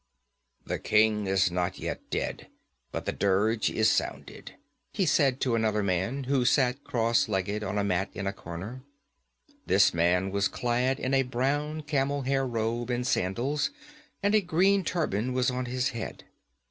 'The king is not yet dead, but the dirge is sounded,' he said to another man who sat cross legged on a mat in a corner. This man was clad in a brown camel hair robe and sandals, and a green turban was on his head.